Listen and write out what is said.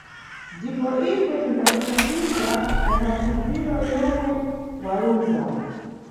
Ndipo ife tindzakuthandiza na mapfundziro yomwe waluza